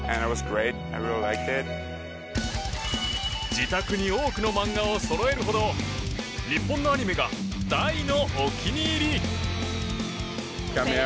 自宅に多くの漫画をそろえるほど日本のアニメが大のお気に入り。